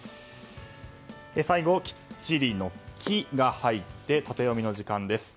最後、きっちりの「キ」が入ってタテヨミの時間です。